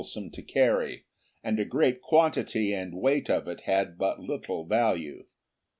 2 6 to carry, and a great quantity and weight of it had but little value.